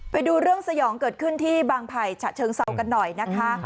ไปดูเรื่องสยองเกิดขึ้นที่บางไผ่ฉะเชิงเซากันหน่อยนะคะ